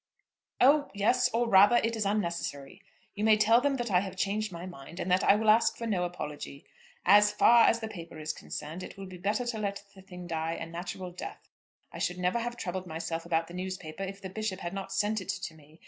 "Oh yes; or rather, it is unnecessary. You may tell them that I have changed my mind, and that I will ask for no apology. As far as the paper is concerned, it will be better to let the thing die a natural death. I should never have troubled myself about the newspaper if the Bishop had not sent it to me.